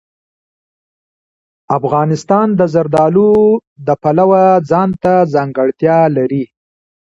افغانستان د زردالو د پلوه ځانته ځانګړتیا لري.